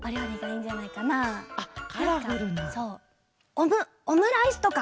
オムオムライスとか！